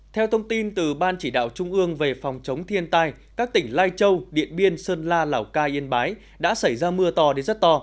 theo thông tin từ ban chỉ đạo trung ương về phòng chống thiên tai các tỉnh lai châu điện biên sơn la lào cai yên bái đã xảy ra mưa to đến rất to